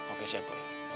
oke siap boy